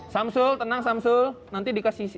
samsul tenang samsul nanti dikasih